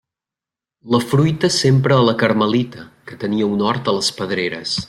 La fruita sempre a la Carmelita, que tenia un hort a les Pedreres.